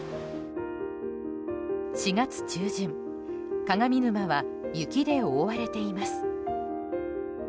４月中旬、鏡沼は雪で覆われています。